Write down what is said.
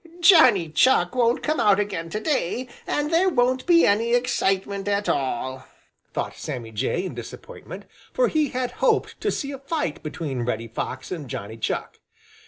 "Johnny Chuck won't come out again to day, and there won't be any excitement at all," thought Sammy Jay in disappointment, for he had hoped to see a fight between Reddy Fox and Johnny Chuck.